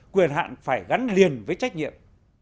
quyền hạn phải gắn liền với trách nhiệm